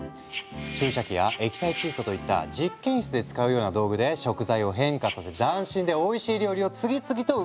注射器や液体窒素といった実験室で使うような道具で食材を変化させ斬新でおいしい料理を次々と生み出したんだ。